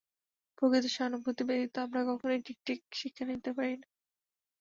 প্রকৃত সহানুভূতি ব্যতীত আমরা কখনই ঠিক ঠিক শিক্ষা দিতে পারি না।